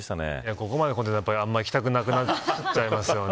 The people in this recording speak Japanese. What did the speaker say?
ここまで混んでたらあんまり行きたくなくなっちゃいますよね。